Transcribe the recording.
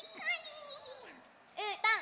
うーたん